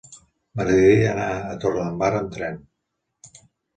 M'agradaria anar a Torredembarra amb tren.